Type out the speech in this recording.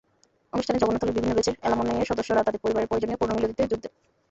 অনুষ্ঠানে জগন্নাথ হলের বিভিন্ন ব্যাচের অ্যালামনাইয়ের সদস্যরা তাঁদের পরিবার-পরিজন নিয়ে পুনর্মিলনীতে যোগ দেন।